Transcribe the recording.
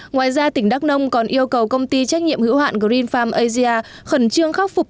ngoài ra tỉnh đắk nông còn yêu cầu công ty trách nhiệm hữu hạn green farm asia khẩn trương khắc phục